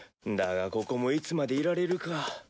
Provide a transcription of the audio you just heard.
だがここもいつまでいられるか。